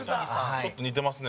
兎：ちょっと似てますね。